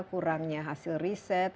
kurangnya hasil riset